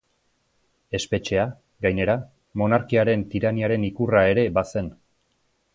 Espetxea, gainera, monarkiaren tiraniaren ikurra ere bazen.